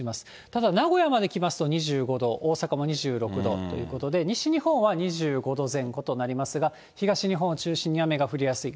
ただ、名古屋まで来ますと、２５度、大阪も２６度ということで、西日本は２５度前後となりますが、東日本を中心に雨が降りやすい。